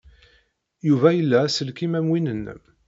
Yuba ila aselkim am win-nnem.